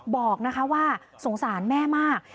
บอกนะคะว่าสงสารแม่มาก